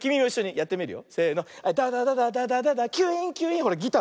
やってみるよ。